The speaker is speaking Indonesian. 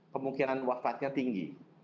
kemungkinan wafatnya tinggi